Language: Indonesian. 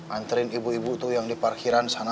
anterin ibu ibu yang di parkiran sana